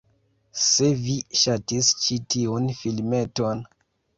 Se vi ŝatis ĉi tiun filmeton